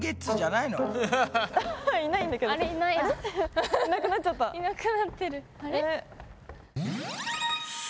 いなくなってる。